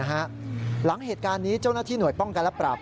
หลังเหตุการณ์นี้เจ้าหน้าที่หน่วยป้องกันและปราบ